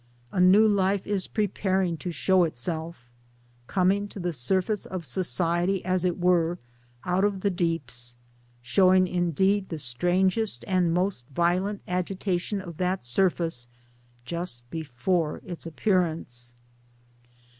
A new life is preparing to showi itself coming to the surface of society, as it were, out of the deeps, showing indeed the strangest and most violent agitation of that surface just before its appear ance.